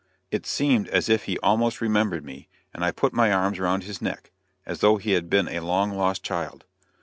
It seemed as if he almost remembered me, and I put my arms around his neck, as though he had been a long lost child.